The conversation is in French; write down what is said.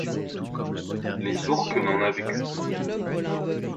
Les ourques n’en avaient qu’une.